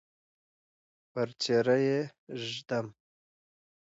پر څیره یې ږدم